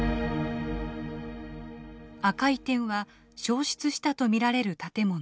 赤い点は焼失したと見られる建物。